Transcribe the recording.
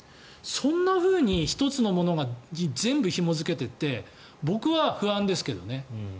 そんなふうに１つのものに全部ひも付けていって僕は不安ですけどね。